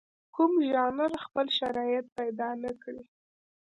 کوم ژانر خپل شرایط پیدا نکړي.